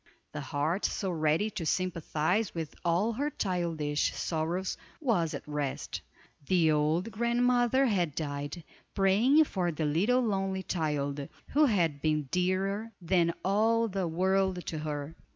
The heart so ready to sympathize with all her childish sorrows was at rest. The old grandmother had died, praying for the little lonely child, who had been dearer than all the world to her.